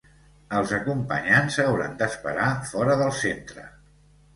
Els acompanyants hauran d’esperar fora del centre.